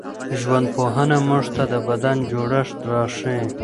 ژوندپوهنه موږ ته د بدن جوړښت راښيي.